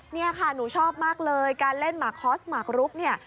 เนี่ยค่ะหนูชอบมากเลยการเล่นหมากคอสหมากรุกเนี่ย